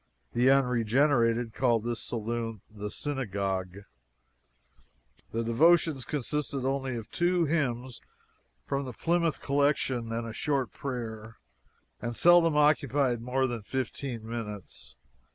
The unregenerated called this saloon the "Synagogue." The devotions consisted only of two hymns from the Plymouth Collection and a short prayer, and seldom occupied more than fifteen minutes.